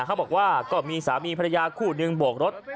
เขาบอกว่าก็มีสามีภรรยาคู่หนึ่งโบกรถ